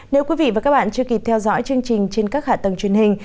nếu quý vị và các bạn chưa kịp theo dõi chương trình trên các hạ tầng truyền hình